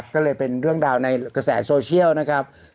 ก็เลยเป็นเรื่องราวในกระแสโซเชียลนะครับ